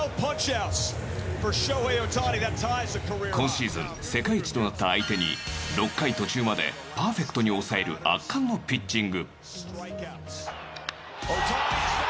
今シーズン世界一となった相手に６回途中までパーフェクトに抑える圧巻のピッチング。